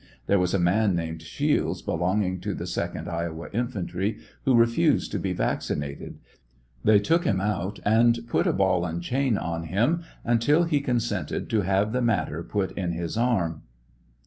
There was a man named Shields belonging to the 2d Iowa infantry, who refused to be vaccinated ; they took him out and put a ball and chain on him until he consented to have the matter put in his ai'm.